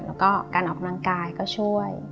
แล้วก็การออกกำลังกายก็ช่วย